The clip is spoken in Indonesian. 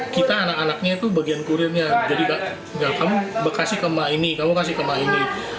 kita anak anaknya itu bagian kurirnya jadi kamu bekasi ke emak ini kamu kasih ke emak ini